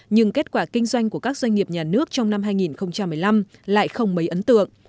nhưng kết quả kinh doanh của các doanh nghiệp nhà nước trong năm hai nghìn một mươi năm lại không mấy ấn tượng